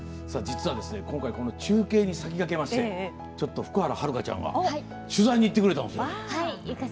実は、今回この中継に先駆けましてちょっと福原遥ちゃんが取材に行ってくれたんですよ。